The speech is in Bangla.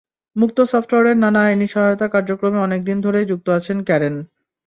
মুক্ত সফটওয়্যারের নানা আইনি সহায়তা কার্যক্রমে অনেক দিন ধরেই যুক্ত আছেন ক্যারেন।